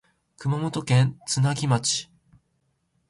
熊本県津奈木町